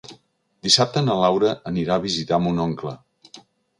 Dissabte na Laura anirà a visitar mon oncle.